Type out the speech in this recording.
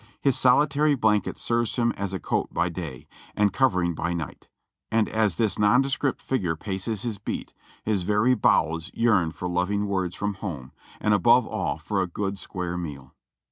His solitary blanket serves him as a coat by day, and covering by night, and as this nondescript figure paces his beat, his very bowels yearn for loving words from home, and above all for a good square meal.